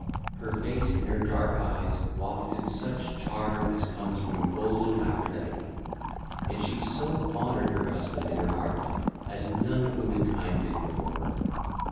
Her face and her dark eyes wafted such charm as comes from golden Aphrodite. And she so honoured her husband in her heart as none of womankind did before her.